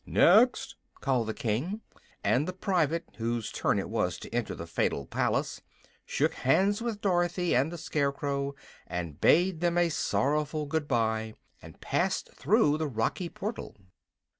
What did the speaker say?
"Next!" called the King, and the private, whose turn it was to enter the fatal palace, shook hands with Dorothy and the Scarecrow and bade them a sorrowful good bye, and passed through the rocky portal.